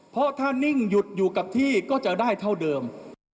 เพราะถ้านิ่งหยุดอยู่กับที่ก็จะได้เท่าเดิม